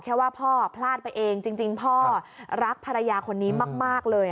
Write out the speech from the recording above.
แค่ว่าพ่อพลาดไปเองจริงพ่อรักภรรยาคนนี้มากเลย